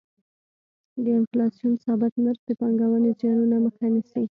د انفلاسیون ثابت نرخ د پانګونې زیانونو مخه نیسي.